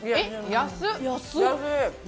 安っ！